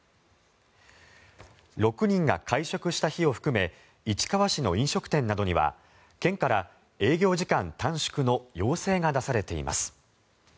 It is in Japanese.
６人が会食した日を含め市川市の飲食店などには県から営業時間短縮の要請が出されています。